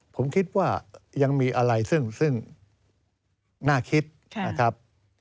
ผมคิดว่ายังมีอะไรซึ่งน่าคิดนะครับ